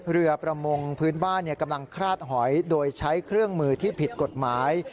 เรือประมงพื้นบ้านกำลังคลาดหอยโดยใช้เครื่องมือที่ผิดกฎหมาย